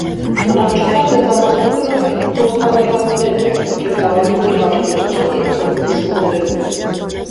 Բնակչության մեծամասնությունը կոստառիկացիներն են, ովքեր դավանում են կաթոլիկություն և խոսում իսպաներենով։